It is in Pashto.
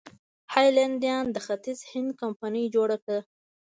هالنډیانو د ختیځ هند کمپنۍ جوړه کړه.